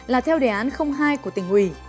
là theo đề án hai của tình hủy